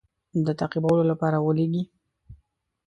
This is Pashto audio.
د تعقیبولو لپاره ولېږي.